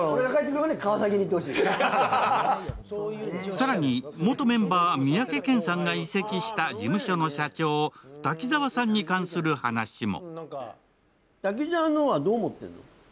更に、元メンバー、三宅健さんが移籍した事務所の社長、滝沢さんに関する話も。